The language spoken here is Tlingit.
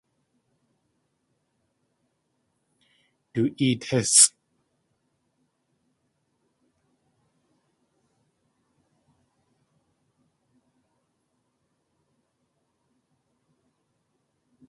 Du éet hísʼ!